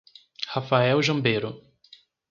Rafael Jambeiro